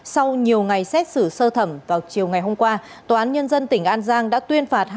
sau nhiều ngày xét xử sơ thẩm vào chiều ngày hôm qua tòa án nhân dân tỉnh an giang đã tuyên phạt